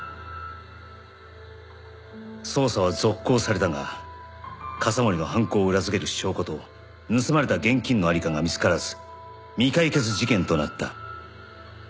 捜査は続行されたが笠森の犯行を裏づける証拠と盗まれた現金の在りかが見つからず未解決事件となった。